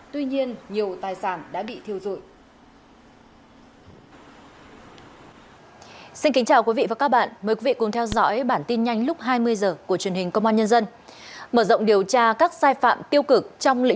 tuy nhiên nhiều tài sản đã bị thiêu rụi